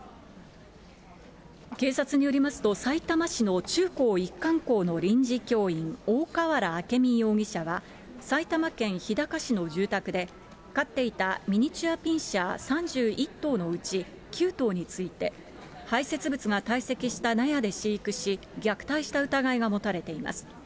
警察によりますと、さいたま市の中高一貫校の臨時教員、大河原明美容疑者は、埼玉県日高市の住宅で、飼っていたミニチュアピンシャー３１頭のうち９頭について、排せつ物が堆積した納屋で飼育し、虐待した疑いが持たれています。